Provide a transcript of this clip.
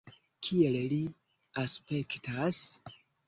Kiel li aspektas?